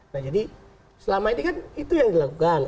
nah jadi selama ini kan itu yang dilakukan